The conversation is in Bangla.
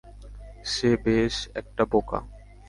সে ব্যস একটা বোকা।